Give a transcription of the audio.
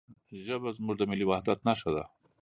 ژبه زموږ د ملي وحدت نښه ده.